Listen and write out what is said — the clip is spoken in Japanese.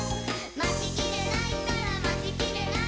「まちきれないったらまちきれない！」